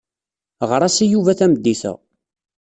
Ɣer-as i Yuba tameddit-a.